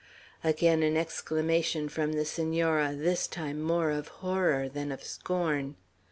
Again an exclamation from the Senora, this time more of horror than of scorn.